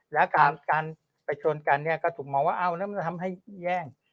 แล้วการไปชนกันก็ถูกมองว่าทำให้แย่ง